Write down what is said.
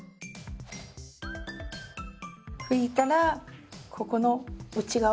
拭いたらここの内側。